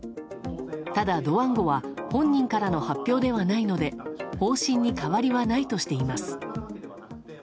ただドワンゴは本人からの発表ではないので方針に変わりはないとしています。